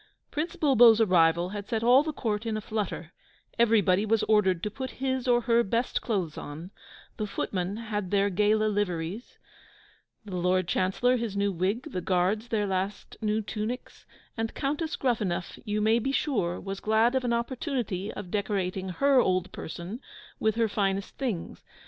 Prince Bulbo's arrival had set all the court in a flutter; everybody was ordered to put his or her best clothes on: the footmen had their gala liveries; the Lord Chancellor his new wig; the Guards their last new tunics; and Countess Gruffanuff, you may be sure, was glad of an opportunity of decorating her old person with her finest things.